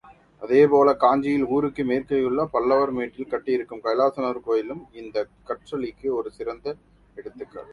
அதேபோல, காஞ்சியில் ஊருக்கு மேற்கேயுள்ள பல்லவர் மேட்டில் கட்டியிருக்கும் கைலாசநாதர் கோயிலும் இந்தக் கற்றளிக்கு ஒரு சிறந்த எடுத்துக்காட்டு.